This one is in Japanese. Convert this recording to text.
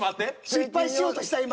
失敗しようとした今。